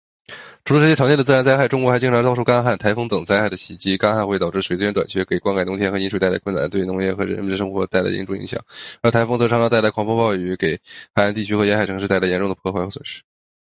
除了这些常见的自然灾害，中国还经常遭受干旱、台风等灾害的袭击。干旱会导致水资源短缺，给灌溉农田和饮水带来困难，对农业和人们生活带来严重影响。而台风则常常带来狂风暴雨，给海岸地区和沿海城市带来严重的破坏和损失。